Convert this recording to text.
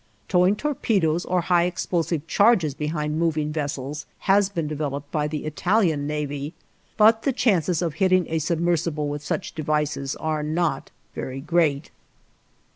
Towing torpedoes or high explosive charges behind moving vessels has been developed by the Italian Navy, but the chances of hitting a submersible with such devices are not very great.